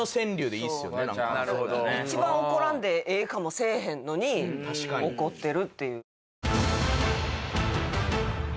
一番怒らんでええかもせえへんのに怒ってるっていう。